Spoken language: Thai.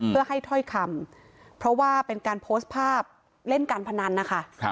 เพื่อให้ถ้อยคำเพราะว่าเป็นการโพสต์ภาพเล่นการพนันนะคะ